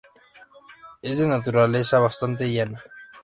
Es de naturaleza bastante llana.